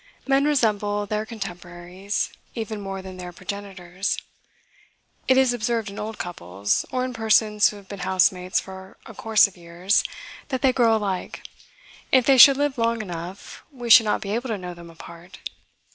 Men resemble their contemporaries, even more than their progenitors. It is observed in old couples, or in persons who have been housemates for a course of years, that they grow alike; and, if they should live long enough, we should not be able to know them apart.